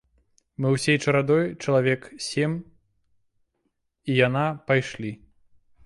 Мы ўсёй чарадой, чалавек сем, і яна, пайшлі.